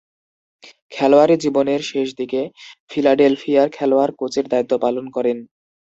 খেলোয়াড়ী জীবনের শেষদিকে ফিলাডেলফিয়ার খেলোয়াড়-কোচের দায়িত্ব পালন করেন।